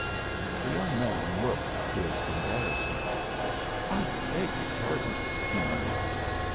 The young man looked his embarrassment. "I beg your pardon," he murmured.